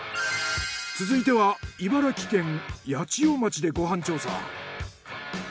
続いては茨城県八千代町でご飯調査。